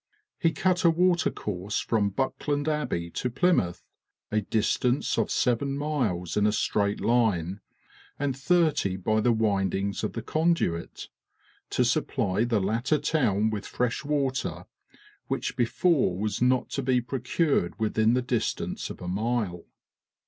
He cut a water course from Buckland Abbey to Plymouth, a distance of seven miles in a straight line, and thirty by the windings of the conduit, to supply the latter town with fresh water, which before was not to be procured within the distance of a mile.